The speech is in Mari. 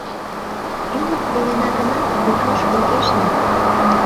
Ӱлык волена гынат, ужаш огеш лий.